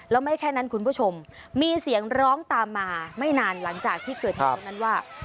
แล้วไม่แค่นั้นคุณผู้ชมมีเสียงร้องตามมาไม่นานหลังจากที่เกิดเหตุตรงนั้นว่า